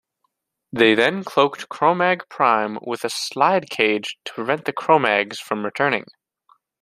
They then cloaked Kromagg Prime with a Slidecage to prevent the Kromaggs from returning.